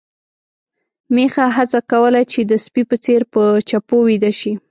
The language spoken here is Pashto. میښه هڅه کوله چې د سپي په څېر په چپو ويده شي.